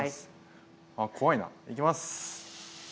あ怖いないきます！